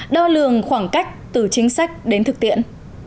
đo lường khoảng cách từ chính sách đến thực tiễn